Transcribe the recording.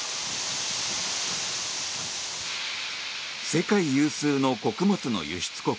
世界有数の穀物の輸出国